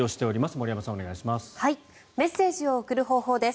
森山さん、お願いします。